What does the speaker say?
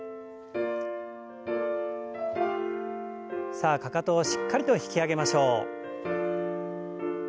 さあかかとをしっかりと引き上げましょう。